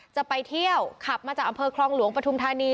จะไปเที่ยวขับมาจากอำเภอคลองหลวงปฐุมธานี